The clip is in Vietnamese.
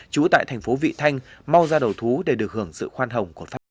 trú tại thành phố vị thanh mau ra đầu thú để được hưởng sự khoan hồng của pháp luật